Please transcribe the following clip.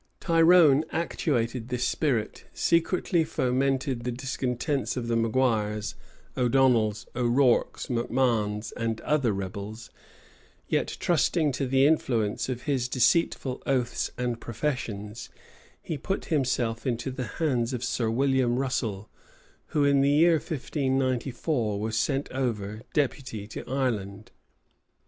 Tyrone actuated by this spirit, secretly fomented the discontents of the Maguires, O'Donnels, O'Rourks, Macmahons, and other rebels; yet, trusting to the influence of his deceitful oaths and professions, he put himself into the hands of Sir William Russel, who, in the year 1594, was sent over deputy to Ireland.